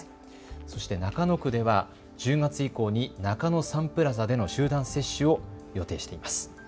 そして中野区では１０月以降に中野サンプラザでの集団接種を予定しています。